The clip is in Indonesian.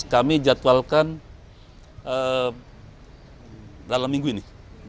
kami jadwalkan dalam minggu ini